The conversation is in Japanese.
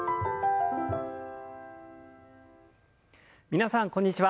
皆さんこんにちは。